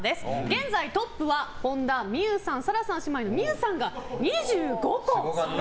現在、トップは本田望結さん、紗来さん姉妹の望結さんが２５個。